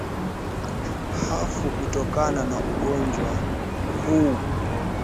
hufa kutokana na ugonjwa huu